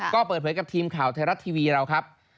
ก็เปิดเผยกับทีมข่าวไทยรัฐทีวีเราครับ